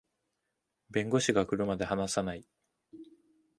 弁護士が来るまで話さない